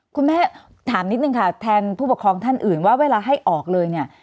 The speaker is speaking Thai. คุณแม่ถามนิดนึงค่ะแทนผู้ปกครองท่านอื่นว่าเวลาให้ออกเลยเนี่ย